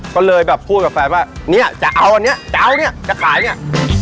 ก็เลยแบบพูดกับแฟนว่าเนี่ยจะเอาอันเนี้ยจะเอาเนี่ยจะขายเนี่ย